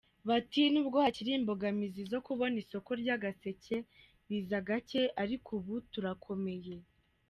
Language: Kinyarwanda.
Bati nubwo hakiri imbogamizi zo kubona isoko ry’agaseke biza gake ariko ubu turakomeye.